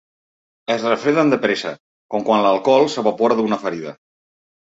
Es refreden de pressa, com quan l'alcohol s'evapora d'una ferida.